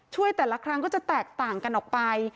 แต่ละครั้งก็จะแตกต่างกันออกไป